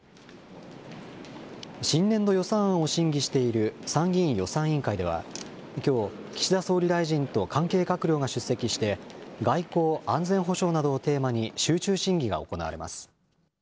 新年度予算案を審議している参議院予算委員会では、きょう、岸田総理大臣と、関係閣僚が出席して、外交・安全保障などをテーマに集中審議が行われます。